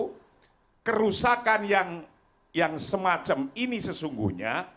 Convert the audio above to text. kalau ada kerusakan yang semacam ini sesungguhnya